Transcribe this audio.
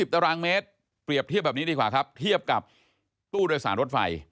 ตารางเมตรเปรียบเทียบแบบนี้ดีกว่าครับเทียบกับตู้โดยสารรถไฟ